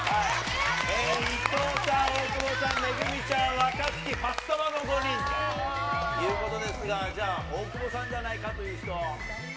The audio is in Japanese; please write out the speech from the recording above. いとうさん、大久保さん、ＭＥＧＵＭＩちゃん、若槻、ファッサマの５人ということですが、じゃあ、大久保さんじゃないかという人。